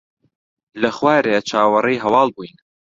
لە خوارێ چاوەڕێی هەواڵ بووین.